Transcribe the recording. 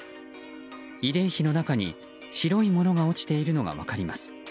慰霊碑の中に白いものが落ちているのが分かります。